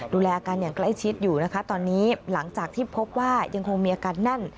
ดูแลอาการอย่างใกล้ชิดอยู่นะคะตอนนี้หลังจากที่พบว่ายังคงมีอาการแน่น